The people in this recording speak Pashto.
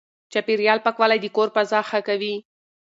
چاپېريال پاکوالی د کور فضا ښه کوي.